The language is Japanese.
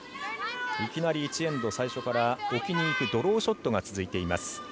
いきなり１エンド最初から置きにいくドローショットが続いています。